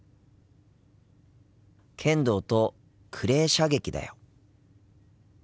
剣道とクレー射撃だよ。